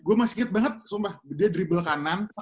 gue masih ngit banget sumpah dia dribble kanan